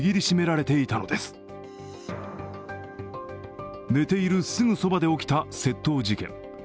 寝ているすぐそばで起きた窃盗事件。